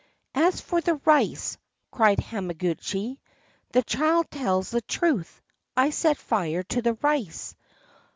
"As for the rice," cried Hamaguchi, "the child tells the truth. I set fire to the rice.